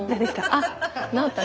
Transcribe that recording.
あっ整った。